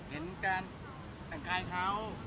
เห็นการแต่งกายเขา